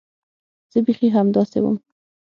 زه بيخي همداسې وم.